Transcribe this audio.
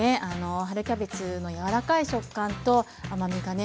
春キャベツの柔らかい食感と甘みがね